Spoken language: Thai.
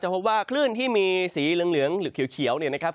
พบว่าคลื่นที่มีสีเหลืองหรือเขียวเนี่ยนะครับ